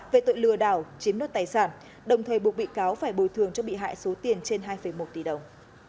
về tội lừa đảo chiếm nốt tài sản đồng thời buộc bị cáo phải bồi thường cho bị hại số tiền trên hai một tỷ đồng